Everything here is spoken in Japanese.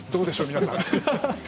皆さん。